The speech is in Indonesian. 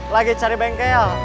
lagi cari bengkel